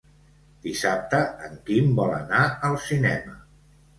Dissabte en Quim vol anar al cinema.